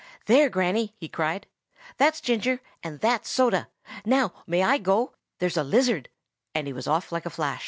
"There, Granny," he cried, "that's ginger, and that's soda. Now may I go? There's a lizard—" and he was off like a flash.